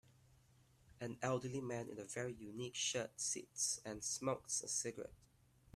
An elderly man in a very unique shirt sits and smokes a cigarette.